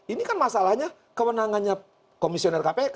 ini kan masalahnya kewenangannya komisioner kpk